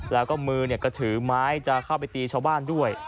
แล้วก็มือก็ถือไม้จะเข้าไปตีชาวบ้านด้วย